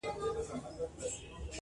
چي مي دري نیوي کلونه کشوله،